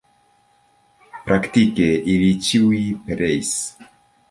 Praktike ili ĉiuj pereis.